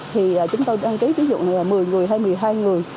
thì chúng tôi đăng ký ví dụ là một mươi người hay một mươi hai người